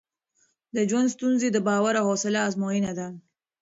د ژوند ستونزې د باور او حوصله ازموینه ده.